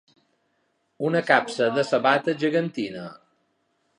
Una capsa de sabates gegantina.